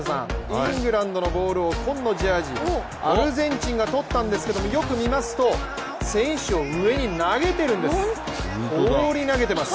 イングランドのボールを紺のジャージーアルゼンチンが取ったんですけどよく見ますと選手を上に投げているんです放り投げています。